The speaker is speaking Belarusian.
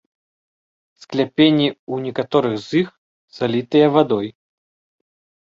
Скляпенні ў некаторых з іх залітыя вадой.